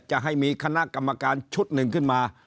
จะให้มีคณะกรรมการชุดหนึ่งขึ้นมา